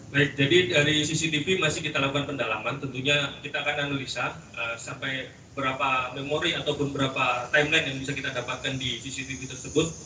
baik jadi dari cctv masih kita lakukan pendalaman tentunya kita akan analisa sampai berapa memori ataupun berapa timeline yang bisa kita dapatkan di cctv tersebut